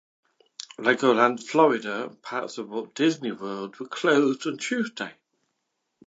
Legoland Florida and parts of Walt Disney World were closed on Tuesday.